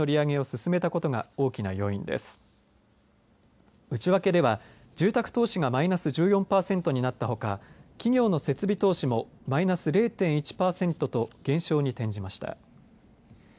内訳では、住宅投資がマイナス１４パーセントになったほか企業の設備投資もマイナス０．１パーセントと減少に転じました。